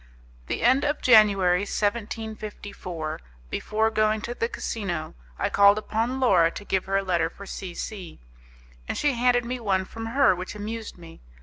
The end of January, 1754, before going to the casino, I called upon Laura to give her a letter for C C , and she handed me one from her which amused me.